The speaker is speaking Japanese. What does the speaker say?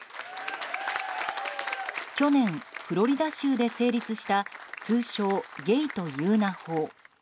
去年、フロリダ州で成立した通称ゲイと言うな法。